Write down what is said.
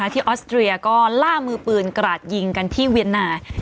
ออสเตรียก็ล่ามือปืนกราดยิงกันที่เวียนนา